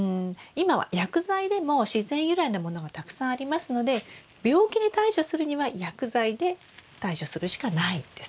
今は薬剤でも自然由来のものがたくさんありますので病気に対処するには薬剤で対処するしかないんですね。